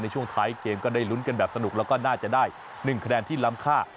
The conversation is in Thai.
ในช่วงท้ายเกมก็ได้ลุ้นกันแบบสนุกแล้วก็น่าจะได้๑คะแนนที่ล้ำค่า